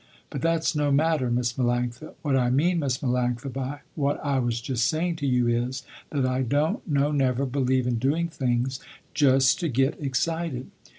But that's no matter Miss Melanctha. What I mean Miss Melanctha by what I was just saying to you is, that I don't, no, never, believe in doing things just to get excited.